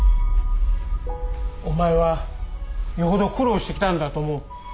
お前はよほど苦労してきたんだと思う。